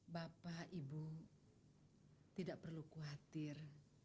bapak ibu tidak perlu khawatir